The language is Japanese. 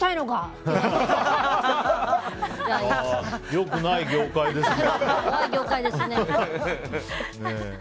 良くない業界ですね。